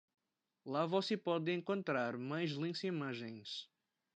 Lá você pode encontrar mais links e imagens.